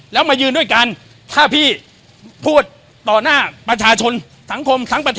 เอาตำแหน่งเก้าอี้ผู้จัดการตำรวจแห่งชาติมาเดิมพันกัน